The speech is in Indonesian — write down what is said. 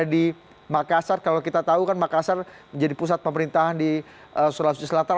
di makassar kalau kita tahu kan makassar menjadi pusat pemerintahan di sulawesi selatan